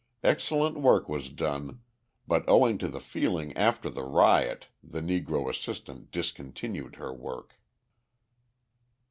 Excellent work was done, but owing to the feeling after the riot the Negro assistant discontinued her work.